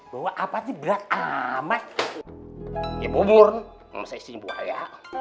bahwa apa sih berat amat ibu burn saya simpul ya